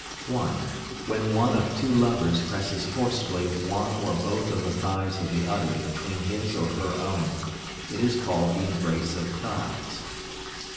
(1). When one of two lovers presses forcibly one or both of the thighs of the other between his or her own, it is called the "embrace of thighs."